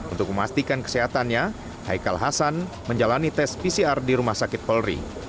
untuk memastikan kesehatannya haikal hasan menjalani tes pcr di rumah sakit polri